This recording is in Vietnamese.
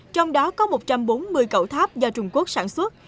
trong đó có một trăm bốn mươi cậu tháp do trung quốc sản xuất